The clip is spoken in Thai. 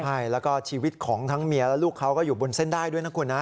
ใช่แล้วก็ชีวิตของทั้งเมียและลูกเขาก็อยู่บนเส้นได้ด้วยนะคุณนะ